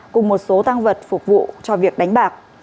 cùng một số tăng vật phục vụ cho việc đánh bạc